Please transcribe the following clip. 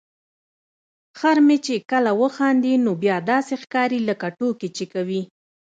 خر مې چې کله وخاندي نو بیا داسې ښکاري لکه ټوکې چې کوي.